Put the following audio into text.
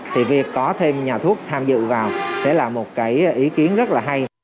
thì việc có thêm nhà thuốc tham dự vào sẽ là một cái ý kiến rất là hay